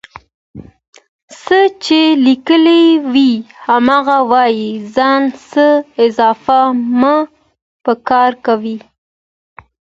څه چې ليکلي وي هماغه وايئ ځان څخه اضافه مه پکې کوئ